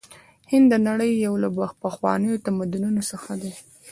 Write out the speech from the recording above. هند د نړۍ یو له پخوانیو تمدنونو څخه دی.